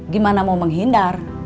gimana mau menghindar